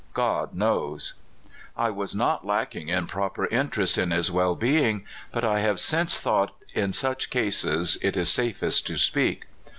God knows. I was not lacking in proper interest in his well being, but I have since thought in such cases it is safest to speak.